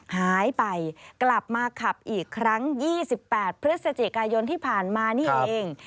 หายไปกลับมาขับอีกครั้ง๒๘พฤศจิกายนที่ผ่านมานี่เอง